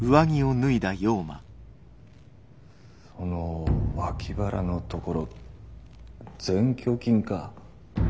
その脇腹のところ「前鋸筋」か？